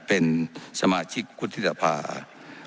เป็นสมาชิกพฤษภาคม